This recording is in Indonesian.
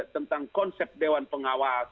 tentang konsep dewan pengawas